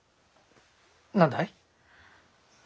何だい？